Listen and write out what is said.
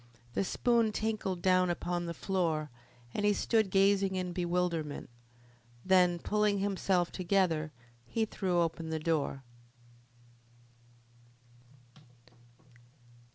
The spoon tinkled down upon the floor, and he stood gazing in bewilderment. Then, pulling himself together, he threw open the door.